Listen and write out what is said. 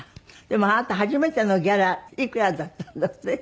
でもあなた初めてのギャラいくらだったんだって？